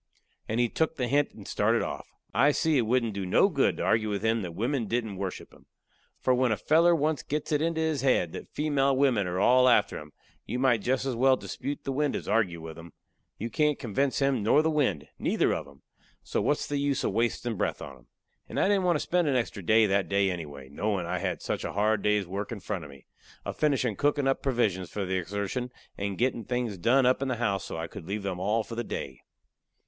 And he took the hint and started off. I see it wouldn't do no good to argue with him that wimmen didn't worship him. For when a feller once gets it into his head that female wimmen are all after him, you might jest as well dispute the wind as argue with him. You can't convince him nor the wind neither of 'em so what's the use of wastin' breath on 'em. And I didn't want to spend a extra breath that day anyway, knowin' I had such a hard day's work in front of me, a finishin' cookin' up provisions for the exertion, and gettin' things done up in the house so I could leave 'em for all day.